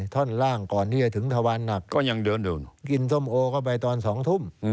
ท่อนล่างก่อนที่จะถึงถวันอับกินส้มโอก็ไปตอน๒ทุ่ม